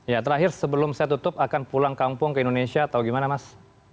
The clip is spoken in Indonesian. ya terakhir sebelum saya tutup akan pulang kampung ke indonesia atau gimana mas